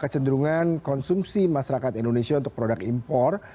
kecenderungan konsumsi masyarakat indonesia untuk produk impor